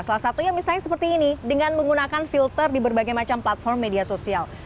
salah satunya misalnya seperti ini dengan menggunakan filter di berbagai macam platform media sosial